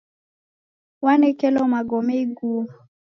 Wanekelo magome iguo.